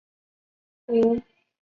湖南澧县人。